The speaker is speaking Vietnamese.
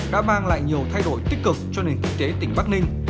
đã mang lại nhiều thay đổi tích cực cho nền kinh tế tỉnh bắc ninh